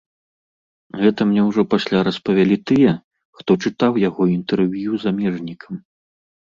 Гэта мне ўжо пасля распавялі тыя, хто чытаў яго інтэрв'ю замежнікам.